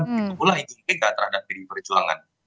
begitulah itu nega terhadap diri perjuangan